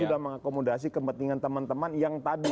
sudah mengakomodasi kepentingan teman teman yang tadi